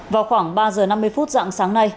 vào khoảng ba h năm mươi phút dặn sáng nay